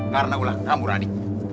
karena ulah kamu radhi